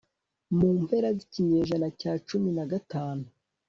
mu mpera z'ikinyejana cya cumi na gatanu